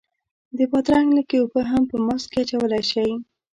د بادرنګ لږې اوبه هم په ماسک کې اچولی شئ.